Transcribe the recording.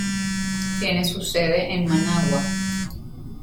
Tiene su sede en Managua.